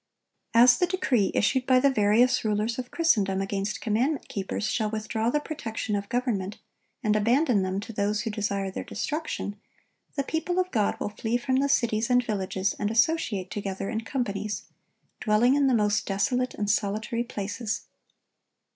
As the decree issued by the various rulers of Christendom against commandment keepers shall withdraw the protection of government, and abandon them to those who desire their destruction, the people of God will flee from the cities and villages and associate together in companies, dwelling in the most desolate and solitary places.